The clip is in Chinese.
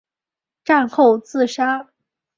战后自杀。